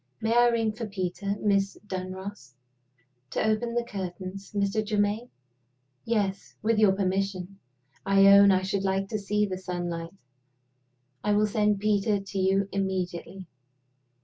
"May I ring for Peter, Miss Dunross?" "To open the curtains, Mr. Germaine?" "Yes with your permission. I own I should like to see the sunlight." "I will send Peter to you immediately."